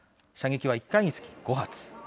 射撃は１回につき５発。